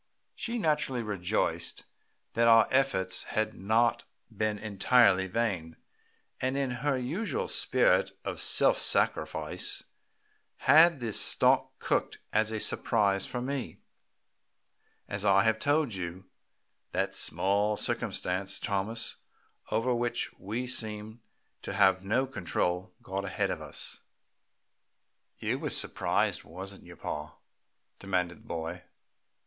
She naturally rejoiced that our efforts had not been entirely vain, and in her usual spirit of self sacrifice had the stalk cooked as a surprise for me. As I have told you, that small circumstance Thomas, over which we seem to have no control, got ahead of us " "You was surprised, wasn't you, pa?" demanded the boy.